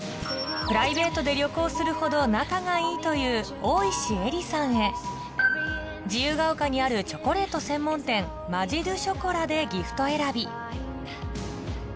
プライベートで旅行するほど仲がいいという大石絵理さんへ自由が丘にあるチョコレート専門店マジドゥショコラでギフト選び